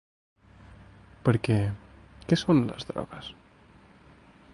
Perquè, què són les drogues?